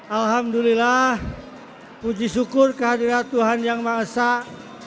alhamdulillah puji syukur kehadiran tuhan yang maesah